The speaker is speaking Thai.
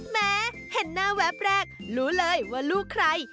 แม้เห็นหน้าแวบแรกรู้เลยว่าลูกใคร